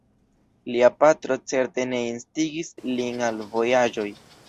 Lia patro certe ne instigis lin al vojaĝoj.